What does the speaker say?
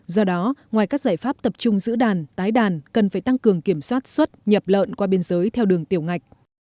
do đó ngoài các giải pháp tập trung giữ đàn tái đàn cần phải tăng cường kiểm soát xuất nhập lợn qua biên giới theo đường tiểu ngạch